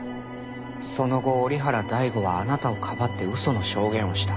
その後折原大吾はあなたをかばって嘘の証言をした。